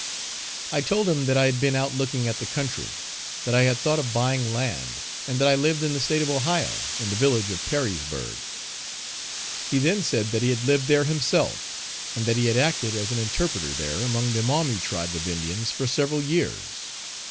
I told him that I had been out looking at the country; that I had thought of buying land, and that I lived in the State of Ohio, in the village of Perrysburgh. He then said that he had lived there himself, and that he had acted as an interpreter there among the Maumee tribe of Indians for several years.